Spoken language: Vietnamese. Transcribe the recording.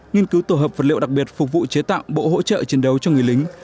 nghiên cứu tổ hợp vật liệu đặc biệt phục vụ chế tạo bộ hỗ trợ chiến đấu cho người lính